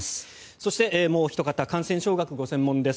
そして、もうひと方感染症学がご専門です